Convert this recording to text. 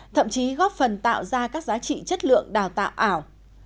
thậm chí góp phần tạo ra các giá trị chất lượng đào tạo ảo